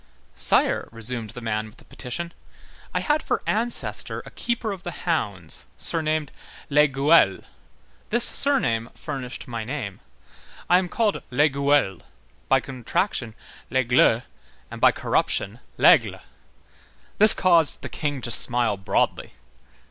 "Sire," resumed the man with the petition, "I had for ancestor a keeper of the hounds surnamed Lesgueules. This surname furnished my name. I am called Lesgueules, by contraction Lesgle, and by corruption l'Aigle." This caused the King to smile broadly.